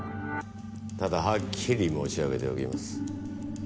ただはっきり申し上げておきます。